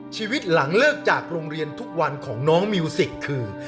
ชีวิตหลังเลิกจากโรงเรียนทุกวันของน้องมิวสิกคือ